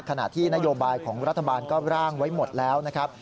ขณะที่นโยบายของรัฐบาลก็ร่างไว้หมดแล้วนะครับ